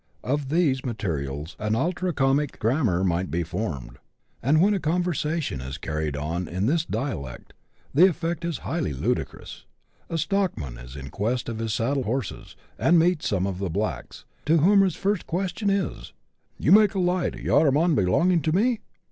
Of these materials an ultra comic grammar might be formed ; and when a conversation is carried on in this dialect, the effect is highly ludicrous. A stockman is in quest of his saddle horses, and meets some of the blacks, to whom his first question is, You make a light yarraman belonging to me ?" (i. e.